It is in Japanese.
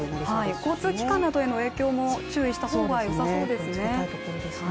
交通機関などへの影響も注意した方が良さそうですね。